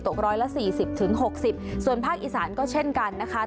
ตกร้อยละสี่สิบถึงหกสิบส่วนภาคอีสานก็เช่นกันนะคะ